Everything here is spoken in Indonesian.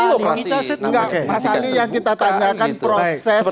itu enggak pasti mas ali yang kita